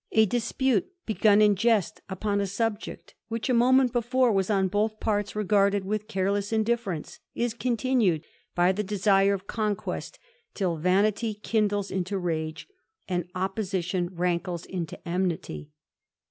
A dispute begun in jest upon a subject which a momer^^ before was on both parts regarded with careless indifferencr^^ is continued by the desire of conquest, till vanity kind^^j into rage, and opposition rankles into enmity.